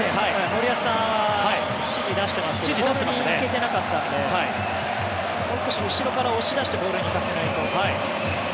森保さんは指示を出してますけどボールに行けていなかったのでもう少し後ろから押し出してボールに行かせないと。